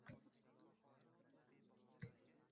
Eringning ko‘zi tushadigan joylarga yaxshi e’tibor ber.